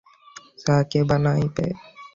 চা কে বানাইবে?